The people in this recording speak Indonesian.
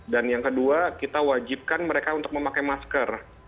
dan yang kedua kita wajibkan mereka untuk memakai masker